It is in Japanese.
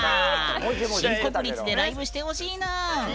新国立でライブしてほしいぬーん。